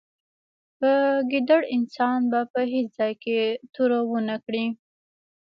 په ګیدړ انسان به په هېڅ ځای کې توره و نه کړې.